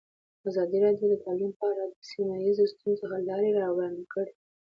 ازادي راډیو د تعلیم په اړه د سیمه ییزو ستونزو حل لارې راوړاندې کړې.